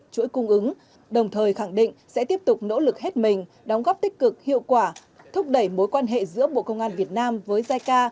chuỗi cung ứng đồng thời khẳng định sẽ tiếp tục nỗ lực hết mình đóng góp tích cực hiệu quả thúc đẩy mối quan hệ giữa bộ công an việt nam với jica